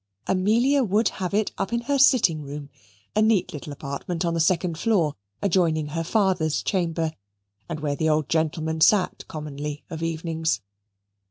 Amelia would have it up in her sitting room, a neat little apartment on the second floor, adjoining her father's chamber, and where the old gentleman sat commonly of evenings.